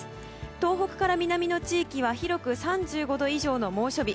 東北から南の地域は広く３５度以上の猛暑日。